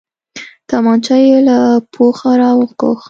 تمانچه يې له پوښه راوکښ.